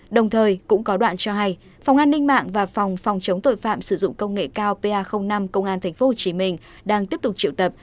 đồng thời cũng có đoạn cho hay phòng an ninh mạng và phòng phòng chống tội phạm sử dụng công nghệ cao pa năm công an tp hcm đang tiếp tục triệu tập